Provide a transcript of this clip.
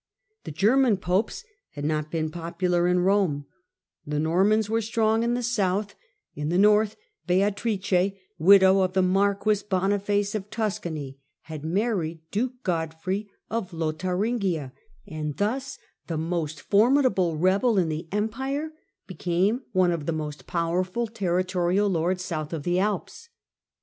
The German popes had not been popular in Rome ; the Normans were strong in the south ; in the north Beatrice, widow of the marquis Boniface of Tuscany, had married duke Godfrey of Lotharingia, and thus the most formidable rebel in the Empire became one of the most powerful territorial lords south of the Alps.